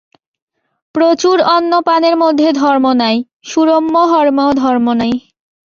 প্রচুর অন্ন-পানের মধ্যে ধর্ম নাই, সুরম্য হর্ম্যেও ধর্ম নাই।